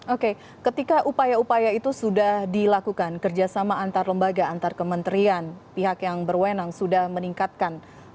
oke ketika upaya upaya itu sudah dilakukan kerjasama antar lembaga antar kementerian pihak yang berwenang sudah meningkatkan